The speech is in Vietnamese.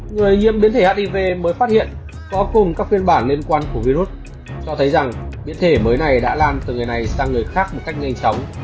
người nhiễm biến thể hiv mới phát hiện có cùng các phiên bản liên quan của virus cho thấy rằng biến thể mới này đã lan từ người này sang người khác một cách nhanh chóng